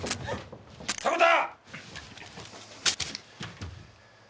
迫田！